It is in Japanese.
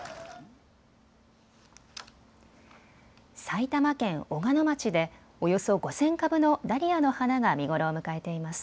埼玉県小鹿野町でおよそ５０００株のダリアの花が見頃を迎えています。